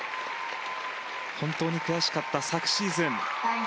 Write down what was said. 本当に悔しかった昨シーズン。